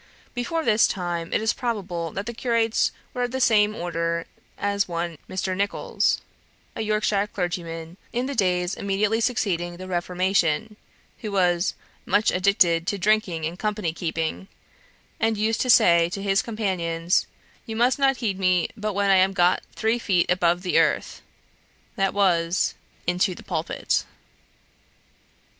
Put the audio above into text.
Before this time, it is probable that the curates were of the same order as one Mr. Nicholls, a Yorkshire clergyman, in the days immediately succeeding the Reformation, who was "much addicted to drinking and company keeping," and used to say to his companions, "You must not heed me but when I am got three feet above the earth," that was, into the pulpit.